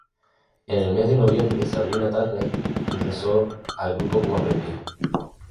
En el mes de noviembre, Sabrina Turner ingresó al grupo como aprendiz.